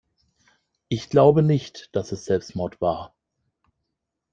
Ich glaube nicht, dass es Selbstmord war.